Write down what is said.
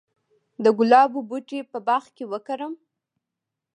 د ګلابو بوټي په باغ کې وکرم؟